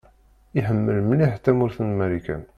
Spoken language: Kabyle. Iḥemmel mliḥ tamurt n Marikan.